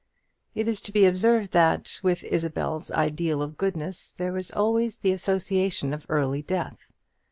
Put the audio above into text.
It is to be observed that, with Isabel's ideal of goodness there was always the association of early death.